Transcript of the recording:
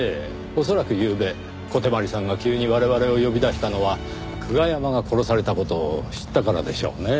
恐らくゆうべ小手鞠さんが急に我々を呼び出したのは久我山が殺された事を知ったからでしょうねぇ。